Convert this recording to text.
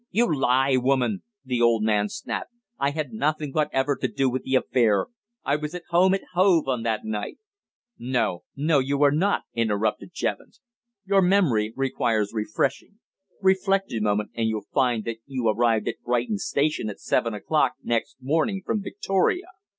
"You lie, woman!" the old man snapped. "I had nothing whatever to do with the affair! I was at home at Hove on that night." "No! no! you were not," interrupted Jevons. "Your memory requires refreshing. Reflect a moment, and you'll find that you arrived at Brighton Station at seven o'clock next morning from Victoria.